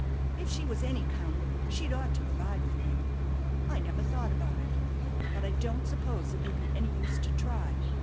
If she was any 'count, she'd ought to provide fer you. I never thought about it. But I don't suppose it would be any use to try.